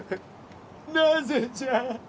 なぜじゃ？